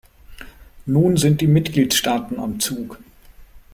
Nun sind die Mitgliedstaaten am Zug.